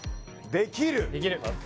できる